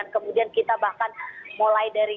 kemudian kita bahkan mulai dari